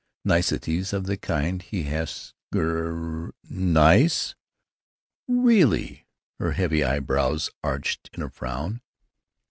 Niceties of the kind he has gr——" "Nice!" "Really——" Her heavy eyebrows arched in a frown.